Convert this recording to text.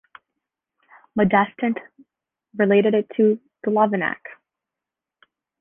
Modestin related it to Lovinac.